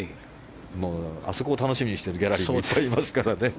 あそこを楽しみにしているギャラリーがいっぱいいますからね。